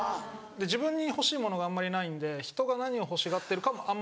自分に欲しいものがあんまりないんで人が何を欲しがってるかもあんまり分からない。